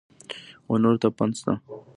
ونورو ته پند شه !